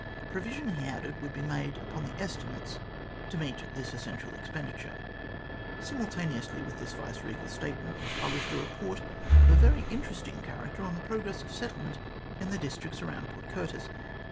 Provision, he added, would be made upon the estimates to meet this essential expenditure. Simultaneously with this Vice Eegal statement was pub lished a report of a very interesting character, on the progress . of settlement in the districts around Port Curtis.